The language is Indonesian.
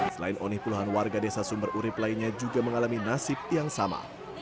selain oni puluhan warga desa sumber urib lainnya juga mengalami nasib yang sama